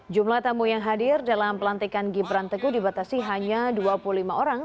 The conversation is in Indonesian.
jumlah tamu yang hadir dalam pelantikan gibran teguh dibatasi hanya dua puluh lima orang